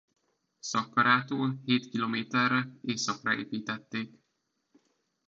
Szakkarától hét kilométerre északra építették.